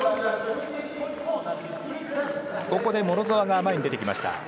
ここでモロゾワが前に出てきました。